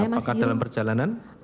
apakah dalam perjalanan